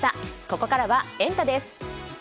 ここからはエンタ！です。